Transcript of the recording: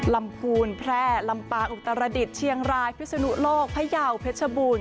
ลำภูลแพร่ลำปากอุตรดิษฐ์เชียงรายพิสุนุโลกพะเย่าเผชบูรณ์